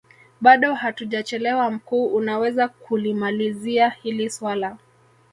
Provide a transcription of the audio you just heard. bado hatujachelewa mkuu unaweza kulimalizia hili suala